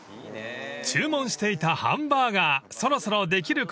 ［注文していたハンバーガーそろそろできるころですよ］